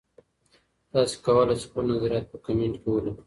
تاسي کولای شئ خپل نظریات په کمنټ کې ولیکئ.